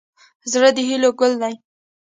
زړه د هیلو ګل دی.